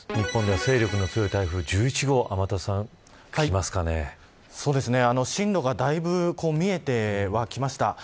勢力の強い台風１１号進路がだいぶ見えてはきました。